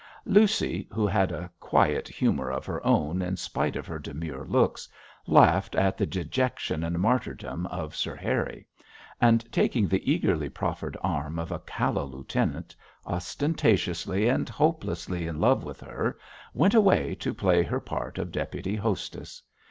Lucy, who had a quiet humour of her own in spite of her demure looks, laughed at the dejection and martyrdom of Sir Harry; and taking the eagerly proffered arm of a callow lieutenant, ostentatiously and hopelessly in love with her, went away to play her part of deputy hostess.